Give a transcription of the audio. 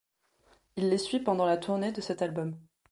Il les suit pendant la tournée de cet album.